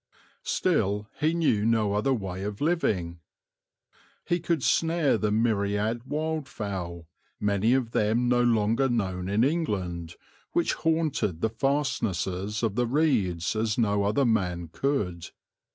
Still he knew no other way of living. He could snare the myriad wildfowl, many of them no longer known in England, which haunted the fastnesses of the reeds as no other man could.